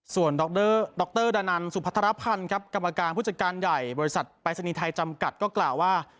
ส่วนดรดานันสุพัทรพันธ์ครับกรรมการผู้จัดการใหญ่บริษัทปรายศนีย์ไทยจำกัดก็กล่าวว่า